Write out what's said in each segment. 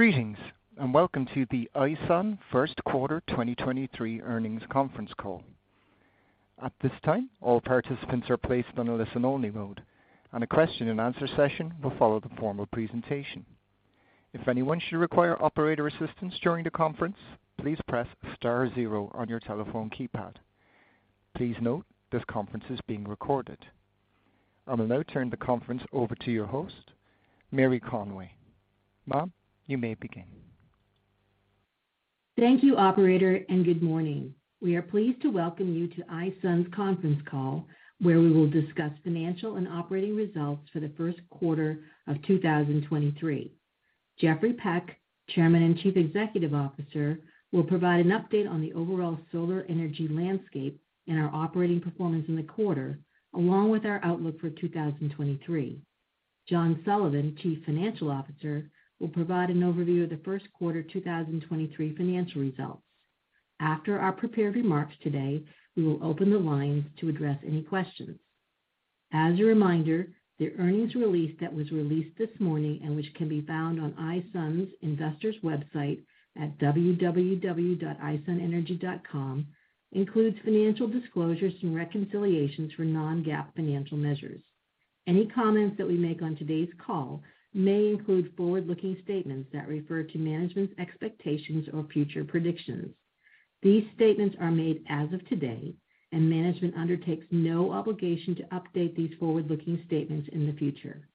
Greetings. Welcome to the iSun first quarter 2023 earnings conference call. At this time, all participants are placed on a listen-only mode, and a question-and-answer session will follow the formal presentation. If anyone should require operator assistance during the conference, please press star zero on your telephone keypad. Please note, this conference is being recorded. I will now turn the conference over to your host, Mary Conway. Ma'am, you may begin. Thank you operator, and good morning. We are pleased to welcome you to iSun's conference call, where we will discuss financial and operating results for the first quarter of 2023. Jeffrey Peck, Chairman and Chief Executive Officer, will provide an update on the overall solar energy landscape and our operating performance in the quarter, along with our outlook for 2023. John Sullivan, Chief Financial Officer, will provide an overview of the first quarter 2023 financial results. After our prepared remarks today, we will open the lines to address any questions. As a reminder, the earnings release that was released this morning and which can be found on iSun's investors website at www.isunenergy.com includes financial disclosures and reconciliations for Non-GAAP financial measures. Any comments that we make on today's call may include forward-looking statements that refer to management's expectations or future predictions. These statements are made as of today, and management undertakes no obligation to update these forward-looking statements in the future.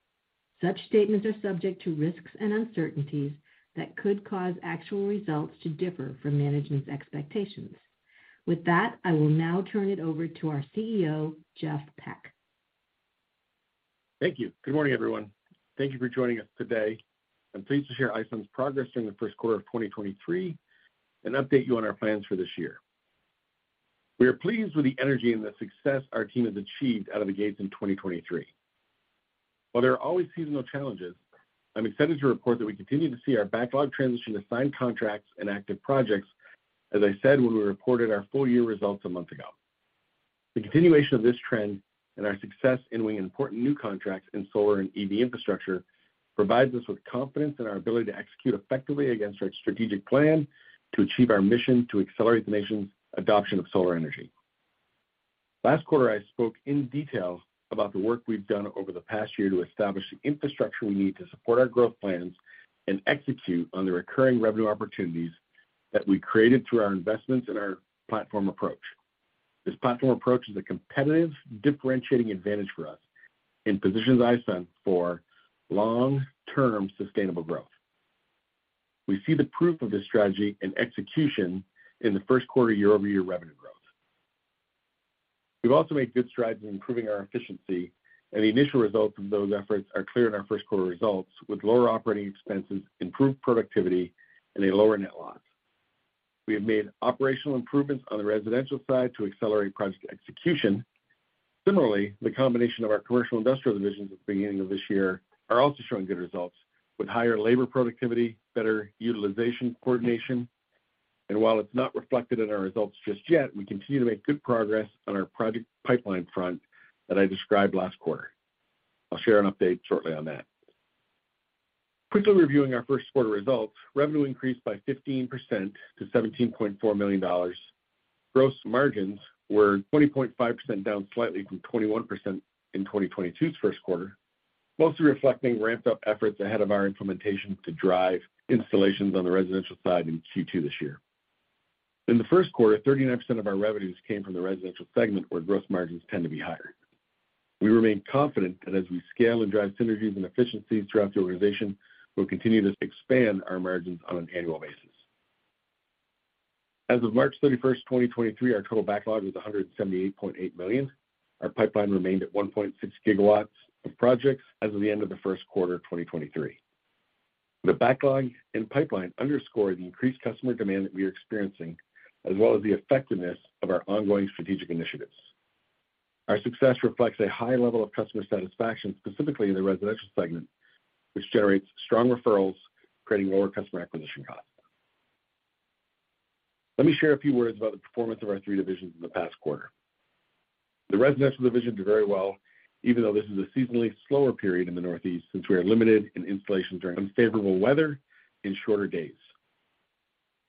Such statements are subject to risks and uncertainties that could cause actual results to differ from management's expectations. With that, I will now turn it over to our CEO, Jeff Peck. Thank you. Good morning, everyone. Thank you for joining us today. I'm pleased to share iSun's progress during the first quarter of 2023 and update you on our plans for this year. We are pleased with the energy and the success our team has achieved out of the gates in 2023. While there are always seasonal challenges, I'm excited to report that we continue to see our backlog transition to signed contracts and active projects, as I said when we reported our full year results a month ago. The continuation of this trend and our success in winning important new contracts in solar and EV infrastructure provides us with confidence in our ability to execute effectively against our strategic plan to achieve our mission to accelerate the nation's adoption of solar energy. Last quarter, I spoke in detail about the work we've done over the past year to establish the infrastructure we need to support our growth plans and execute on the recurring revenue opportunities that we created through our investments in our platform approach. This platform approach is a competitive differentiating advantage for us and positions iSun for long-term sustainable growth. We see the proof of this strategy and execution in the first quarter year-over-year revenue growth. We've also made good strides in improving our efficiency, and the initial results of those efforts are clear in our first quarter results with lower operating expenses, improved productivity, and a lower net loss. We have made operational improvements on the residential side to accelerate project execution. Similarly, the combination of our commercial industrial divisions at the beginning of this year are also showing good results with higher labor productivity, better utilization coordination. While it's not reflected in our results just yet, we continue to make good progress on our project pipeline front that I described last quarter. I'll share an update shortly on that. Quickly reviewing our first quarter results, revenue increased by 15% to $17.4 million. Gross margins were 20.5%, down slightly from 21% in 2022's first quarter, mostly reflecting ramped up efforts ahead of our implementation to drive installations on the residential side in Q2 this year. In the first quarter, 39% of our revenues came from the residential segment, where gross margins tend to be higher. We remain confident that as we scale and drive synergies and efficiencies throughout the organization, we'll continue to expand our margins on an annual basis. As of March 31, 2023, our total backlog was $178.8 million. Our pipeline remained at 1.6 gigawatts of projects as of the end of the first quarter 2023. The backlog in pipeline underscore the increased customer demand that we are experiencing, as well as the effectiveness of our ongoing strategic initiatives. Our success reflects a high level of customer satisfaction, specifically in the residential segment, which generates strong referrals, creating lower customer acquisition costs. Let me share a few words about the performance of our three divisions in the past quarter. The residential division did very well, even though this is a seasonally slower period in the Northeast, since we are limited in installations during unfavorable weather and shorter days.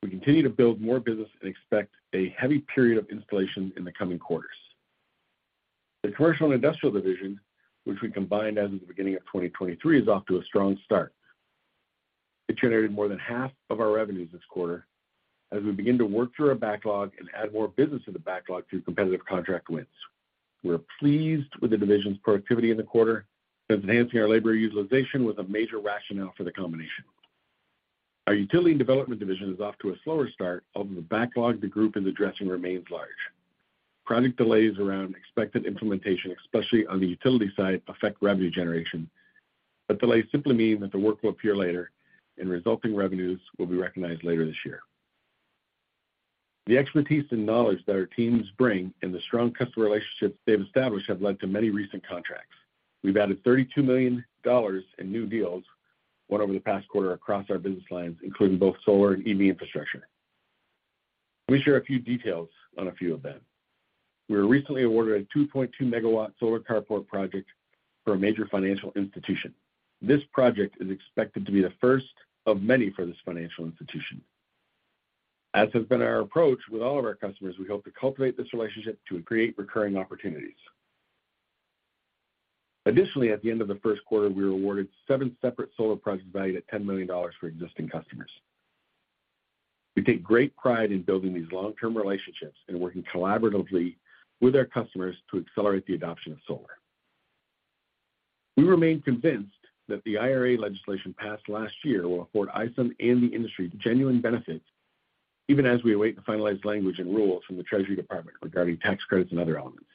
We continue to build more business and expect a heavy period of installation in the coming quarters. The commercial and industrial division, which we combined as of the beginning of 2023, is off to a strong start. It generated more than half of our revenues this quarter as we begin to work through our backlog and add more business to the backlog through competitive contract wins. We are pleased with the division's productivity in the quarter as enhancing our labor utilization was a major rationale for the combination. Our utility and development division is off to a slower start although the backlog the group is addressing remains large. Project delays around expected implementation, especially on the utility side, affect revenue generation, but delays simply mean that the work will appear later and resulting revenues will be recognized later this year. The expertise and knowledge that our teams bring and the strong customer relationships they've established have led to many recent contracts. We've added $32 million in new deals won over the past quarter across our business lines, including both solar and EV infrastructure. Let me share a few details on a few of them. We were recently awarded a 2.2 megawatt solar carport project for a major financial institution. This project is expected to be the first of many for this financial institution. As has been our approach with all of our customers, we hope to cultivate this relationship to create recurring opportunities. Additionally, at the end of the first quarter, we were awarded seven separate solar projects valued at $10 million for existing customers. We take great pride in building these long-term relationships and working collaboratively with our customers to accelerate the adoption of solar. We remain convinced that the IRA legislation passed last year will afford iSun and the industry genuine benefits even as we await the finalized language and rules from the Treasury Department regarding tax credits and other elements.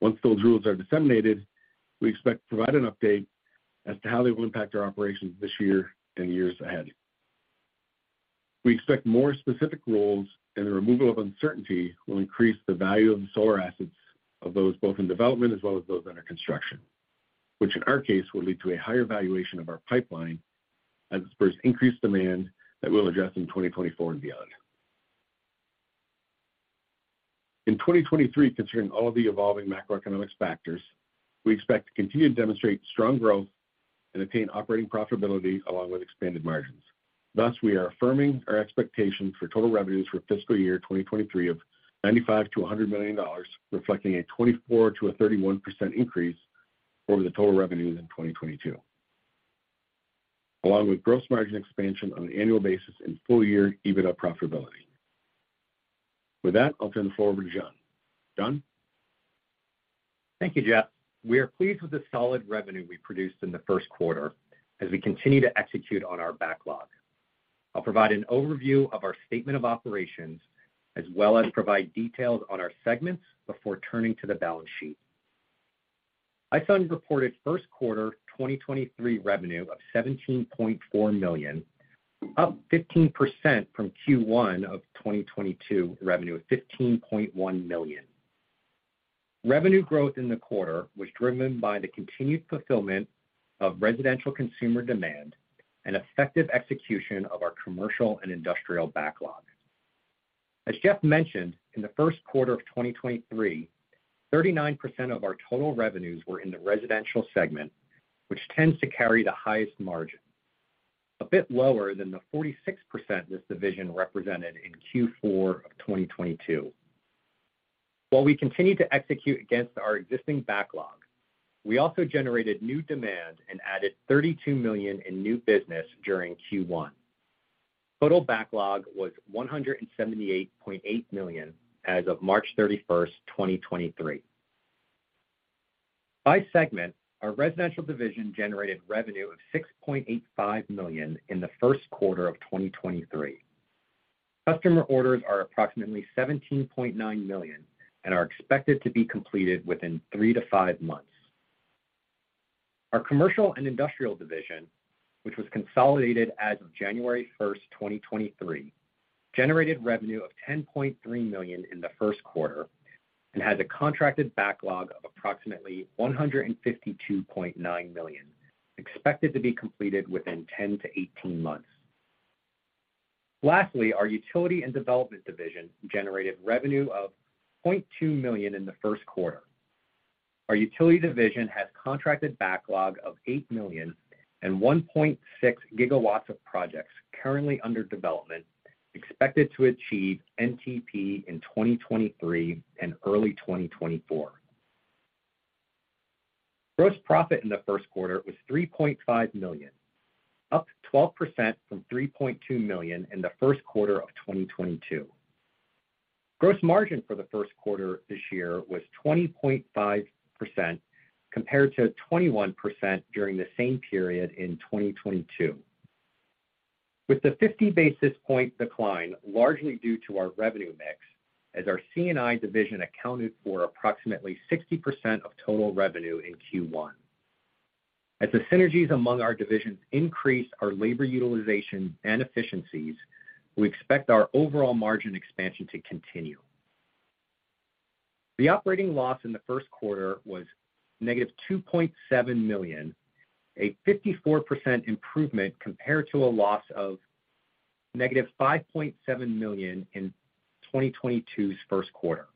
Once those rules are disseminated, we expect to provide an update as to how they will impact our operations this year and years ahead. We expect more specific rules and the removal of uncertainty will increase the value of the solar assets of those both in development as well as those under construction, which in our case, will lead to a higher valuation of our pipeline as it spurs increased demand that we'll address in 2024 and beyond. In 2023, considering all of the evolving macroeconomic factors, we expect to continue to demonstrate strong growth and attain operating profitability along with expanded margins. We are affirming our expectations for total revenues for fiscal year 2023 of $95 million-$100 million, reflecting a 24%-31% increase over the total revenues in 2022, along with gross margin expansion on an annual basis and full year EBITDA profitability. With that, I'll turn the floor over to John. John? Thank you, Jeff. We are pleased with the solid revenue we produced in the first quarter as we continue to execute on our backlog. I'll provide an overview of our statement of operations as well as provide details on our segments before turning to the balance sheet. iSun reported first quarter 2023 revenue of $17.4 million, up 15% from Q1 of 2022 revenue of $15.1 million. Revenue growth in the quarter was driven by the continued fulfillment of residential consumer demand and effective execution of our commercial and industrial backlog. As Jeff mentioned, in the first quarter of 2023, 39% of our total revenues were in the residential segment, which tends to carry the highest margin, a bit lower than the 46% this division represented in Q4 of 2022. While we continue to execute against our existing backlog, we also generated new demand and added $32 million in new business during Q1. Total backlog was $178.8 million as of March 31st, 2023. By segment, our residential division generated revenue of $6.85 million in the first quarter of 2023. Customer orders are approximately $17.9 million and are expected to be completed within three to five months. Our commercial and industrial division, which was consolidated as of January 1st, 2023, generated revenue of $10.3 million in the first quarter and has a contracted backlog of approximately $152.9 million, expected to be completed within 10months-18 months. Lastly, our utility and development division generated revenue of $0.2 million in the first quarter. Our utility division has contracted backlog of $8 million and 1.6 gigawatts of projects currently under development, expected to achieve NTP in 2023 and early 2024. Gross profit in the first quarter was $3.5 million, up 12% from $3.2 million in the first quarter of 2022. Gross margin for the first quarter this year was 20.5% compared to 21% during the same period in 2022. With the 50 basis point decline largely due to our revenue mix as our C&I division accounted for approximately 60% of total revenue in Q1. As the synergies among our divisions increase our labor utilization and efficiencies, we expect our overall margin expansion to continue. The operating loss in the first quarter was -$2.7 million, a 54% improvement compared to a loss of -$5.7 million in 2022's first quarter.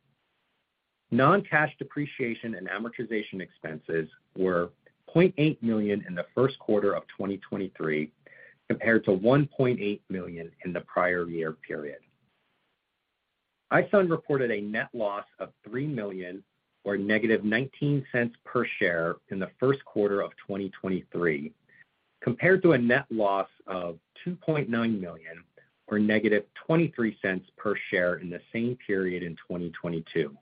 Non-cash depreciation and amortization expenses were $0.8 million in the first quarter of 2023 compared to $1.8 million in the prior year period. iSun reported a net loss of $3 million or -$0.19 per share in the first quarter of 2023 compared to a net loss of $2.9 million or -$0.23 per share in the same period in 2022.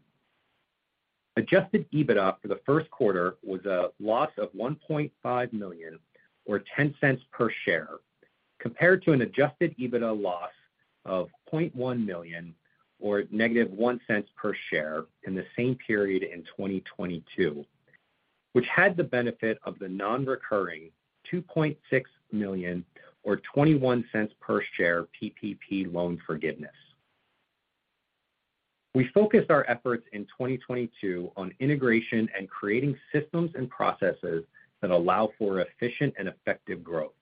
Adjusted EBITDA for the first quarter was a loss of $1.5 million or $0.10 per share compared to an adjusted EBITDA loss of $0.1 million or -$0.01 per share in the same period in 2022, which had the benefit of the non-recurring $2.6 million or $0.21 per share PPP loan forgiveness. We focused our efforts in 2022 on integration and creating systems and processes that allow for efficient and effective growth.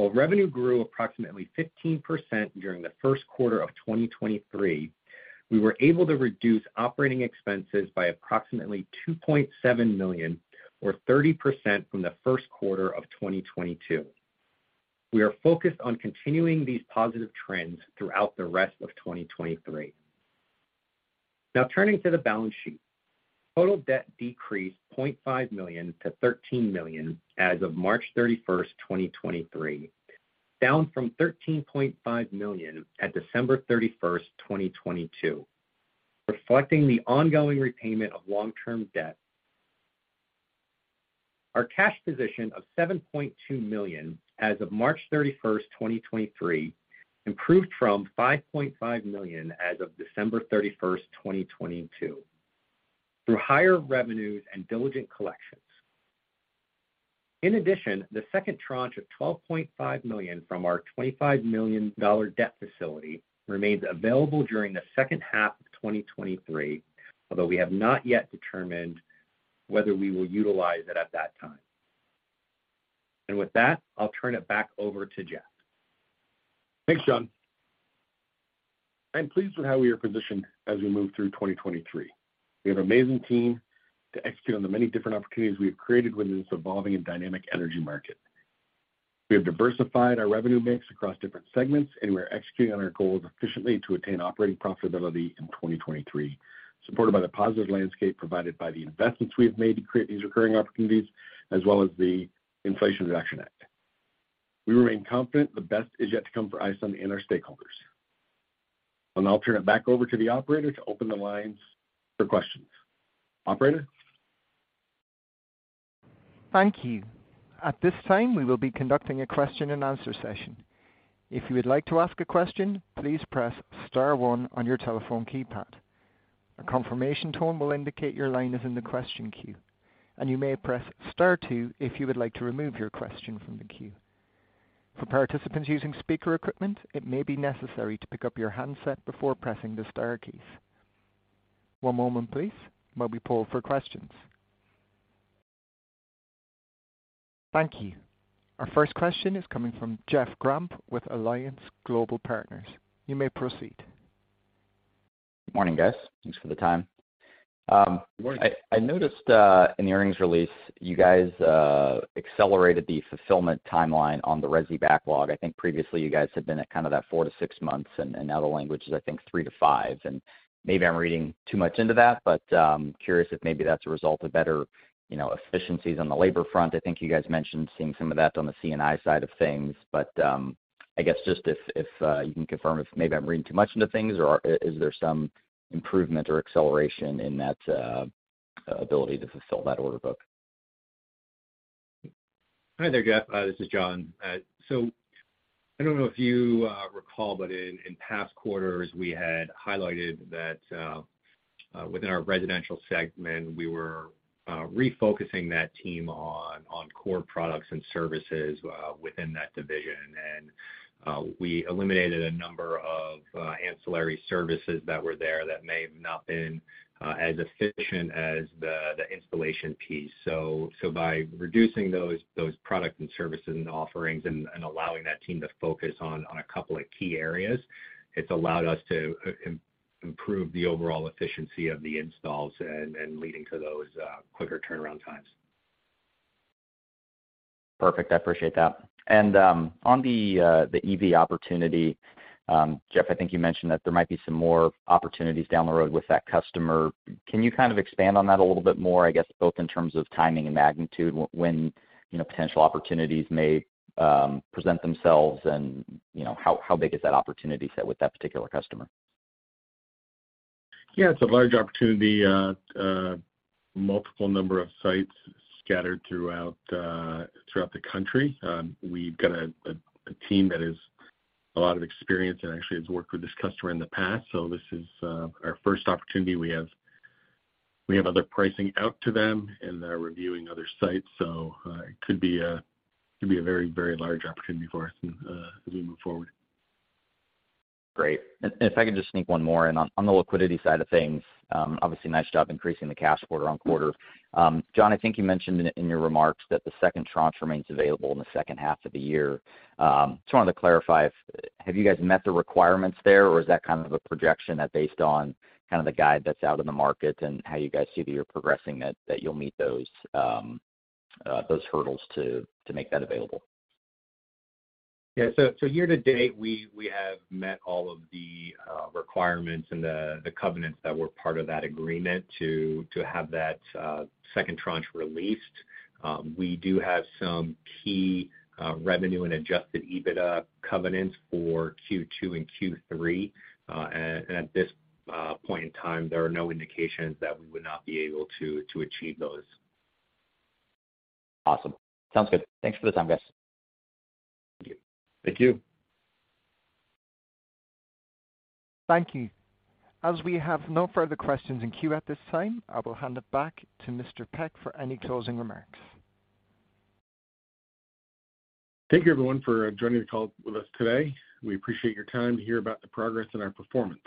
While revenue grew approximately 15% during the first quarter of 2023, we were able to reduce operating expenses by approximately $2.7 million or 30% from the first quarter of 2022. We are focused on continuing these positive trends throughout the rest of 2023. Turning to the balance sheet. Total debt decreased $0.5 million to $13 million as of March 31st, 2023, down from $13.5 million at December 31st, 2022, reflecting the ongoing repayment of long-term debt. Our cash position of $7.2 million as of March 31st, 2023, improved from $5.5 million as of December 31st, 2022, through higher revenues and diligent collections. In addition, the second tranche of $12.5 million from our $25 million debt facility remains available during the second half of 2023, although we have not yet determined whether we will utilize it at that time. With that, I'll turn it back over to Jeff. Thanks, John. I'm pleased with how we are positioned as we move through 2023. We have amazing team to execute on the many different opportunities we have created within this evolving and dynamic energy market. We have diversified our revenue mix across different segments, we are executing on our goals efficiently to attain operating profitability in 2023, supported by the positive landscape provided by the investments we have made to create these recurring opportunities as well as the Inflation Reduction Act. We remain confident the best is yet to come for iSun and our stakeholders. I'll turn it back over to the operator to open the lines for questions. Operator? Thank you. At this time, we will be conducting a question and answer session. If you would like to ask a question, please press star one on your telephone keypad. A confirmation tone will indicate your line is in the question queue, and you may press star two if you would like to remove your question from the queue. For participants using speaker equipment, it may be necessary to pick up your handset before pressing the star keys. One moment please while we poll for questions. Thank you. Our first question is coming from Jeff Grampp with Alliance Global Partners. You may proceed. Morning, guys. Thanks for the time. Morning. I noticed in the earnings release, you guys accelerated the fulfillment timeline on the resi backlog. I think previously you guys had been at kind of that four to six months, and now the language is, I think, three to five months. Maybe I'm reading too much into that, but curious if maybe that's a result of better, you know, efficiencies on the labor front. I think you guys mentioned seeing some of that on the C&I side of things. I guess just if you can confirm if maybe I'm reading too much into things or is there some improvement or acceleration in that ability to fulfill that order book? Hi there, Jeff. This is John. I don't know if you recall, but in past quarters, we had highlighted that within our residential segment, we were refocusing that team on core products and services within that division. We eliminated a number of ancillary services that were there that may have not been as efficient as the installation piece. By reducing those products and services and offerings and allowing that team to focus on a couple of key areas, it's allowed us to improve the overall efficiency of the installs and leading to those quicker turnaround times. Perfect. I appreciate that. On the EV opportunity, Jeff, I think you mentioned that there might be some more opportunities down the road with that customer. Can you kind of expand on that a little bit more, I guess both in terms of timing and magnitude, when, you know, potential opportunities may present themselves and, you know, how big is that opportunity set with that particular customer? Yeah, it's a large opportunity. multiple number of sites scattered throughout the country. We've got a team that has a lot of experience and actually has worked with this customer in the past. This is our first opportunity. We have other pricing out to them, and they're reviewing other sites. It could be a very, very large opportunity for us as we move forward. Great. If I could just sneak one more in. On the liquidity side of things, obviously nice job increasing the cash quarter on quarter. John, I think you mentioned in your remarks that the second tranche remains available in the second half of the year. Just wanted to clarify if have you guys met the requirements there, or is that kind of a projection that based on kind of the guide that's out in the market and how you guys see that you're progressing that you'll meet those hurdles to make that available? Year to date, we have met all of the requirements and the covenants that were part of that agreement to have that second tranche released. We do have some key revenue and adjusted EBITDA covenants for Q2 and Q3. At this point in time, there are no indications that we would not be able to achieve those. Awesome. Sounds good. Thanks for the time, guys. Thank you. Thank you. Thank you. As we have no further questions in queue at this time, I will hand it back to Mr. Peck for any closing remarks. Thank you everyone for joining the call with us today. We appreciate your time to hear about the progress in our performance.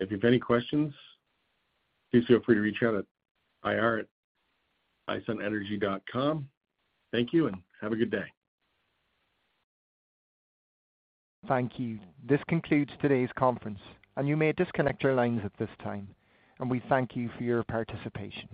If you have any questions, please feel free to reach out at ir@isunenergy.com. Thank you, and have a good day. Thank you. This concludes today's conference, and you may disconnect your lines at this time. We thank you for your participation.